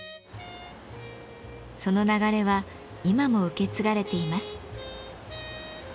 その流れは今も受け継がれています。